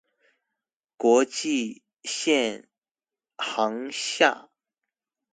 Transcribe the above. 國際線航廈